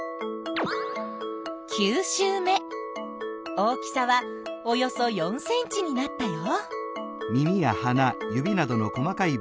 大きさはおよそ４ｃｍになったよ。